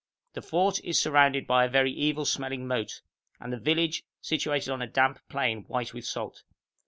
The fort is surrounded by a very evil smelling moat, and the village situated on a damp plain, white with salt.